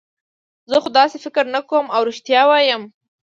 زه خو داسې فکر نه کوم، اوه رښتیا وایم.